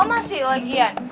salma sih lagian